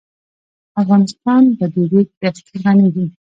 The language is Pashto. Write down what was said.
افغانستان په د ریګ دښتې غني دی.